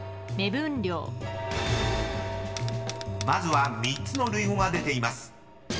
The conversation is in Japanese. ［まずは３つの類語が出ています］